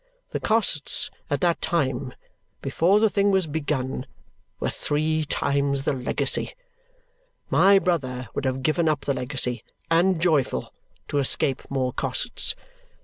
The costs at that time before the thing was begun! were three times the legacy. My brother would have given up the legacy, and joyful, to escape more costs.